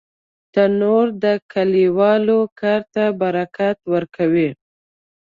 تنور د کلیوالو کار ته برکت ورکوي